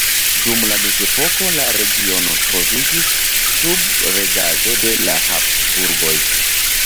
Dum mezepoko la regiono troviĝis sub regado de la Habsburgoj.